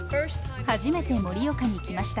初めて盛岡に来ました。